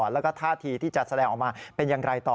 แล้วก็ท่าทีที่จะแสดงออกมาเป็นอย่างไรต่อ